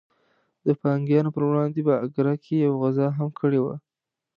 د پرنګیانو پر وړاندې په اګره کې یوه غزا هم کړې وه.